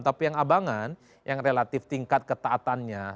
tapi yang abangan yang relatif tingkat ketaatannya